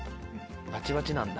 バチバチなんだ。